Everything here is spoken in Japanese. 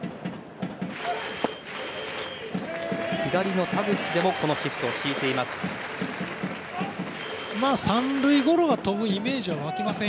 左の田口でもこのシフトを敷いています。